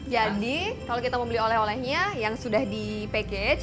jadi kalau kita mau beli oleh olehnya yang sudah di package